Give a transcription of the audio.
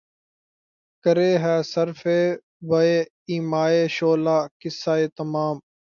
کرے ہے صِرف بہ ایمائے شعلہ قصہ تمام